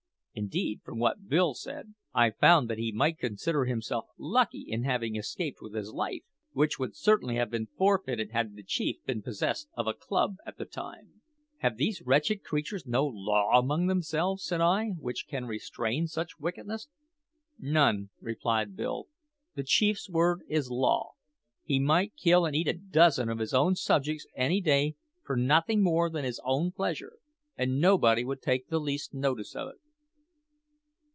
Indeed, from what Bill said, I found that he might consider himself lucky in having escaped with his life, which would certainly have been forfeited had the chief been possessed of a club at the time. "Have these wretched creatures no law among themselves," said I, "which can restrain such wickedness?" "None," replied Bill. "The chief's word is law. He might kill and eat a dozen of his own subjects any day for nothing more than his own pleasure, and nobody would take the least notice of it."